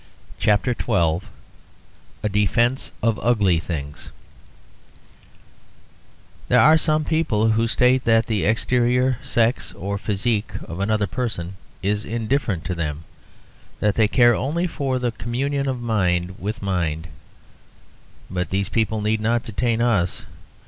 A DEFENCE OF UGLY THINGS There are some people who state that the exterior, sex, or physique of another person is indifferent to them, that they care only for the communion of mind with mind; but these people need not detain us.